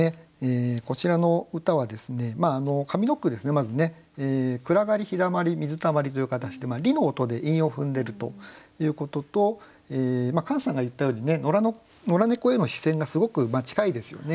まずね「暗がり陽だまり水たまり」という形で「り」の音で韻を踏んでるということとカンさんが言ったように野良猫への視線がすごく近いですよね。